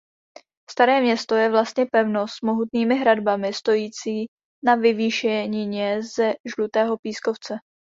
Staré město je vlastně pevnost s mohutnými hradbami stojící na vyvýšenině ze žlutého pískovce.